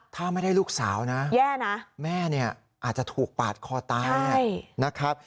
ถ้าไม่ได้ลูกสาวนะแย่นะแม่เนี่ยอาจจะถูกปาดคอตายนะครับ